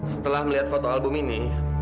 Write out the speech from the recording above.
setelah melihat foto album ini